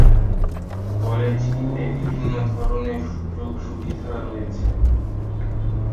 কলেজটিতে বিভিন্ন ধরনের সুযোগ সুবিধা রয়েছে।